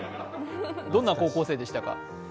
どんな高校生でしたか？